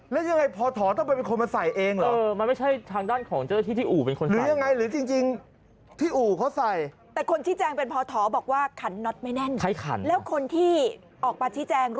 แล้วยังไงพอถอต้องเป็นคนมาใส่เองเหรอ